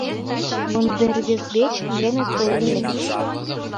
Вондер вес вечын Лена толын лекте.